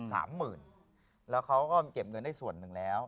แล้วเขาก็เก็บเงินได้ส่วนหนึ่งแล้ว